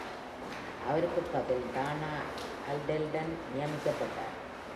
அவருக்குப் பதில் டானா அல்லெர்டன் நியமிக்கப்பட்டார்.